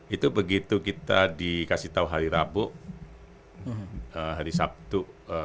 itu begitu kita dikasih tahu hari rabu hari sabtu